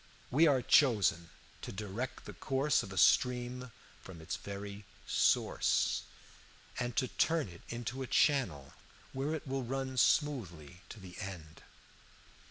We are chosen to direct the course of a stream from its very source, and to turn it into a channel where it will run smoothly to the end.